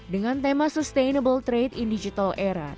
dengan tema sustainable trade in digital era